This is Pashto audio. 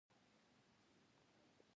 تنور د هوسا ژوند یوه برخه ده